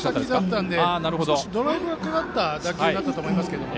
少しドライブがかかった打球だったと思います。